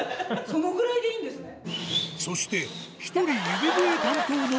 そのくらいでいいんですね。